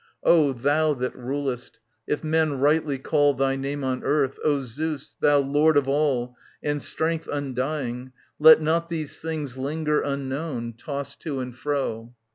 O Thou that rulest — if men rightly call Thy name on earth — O Zeus, thou Lord of all And Strength undying, let not these things linger Unknown, tossed to and fro.